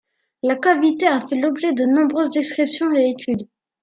La cavité a fait l’objet de nombreuses descriptions et études.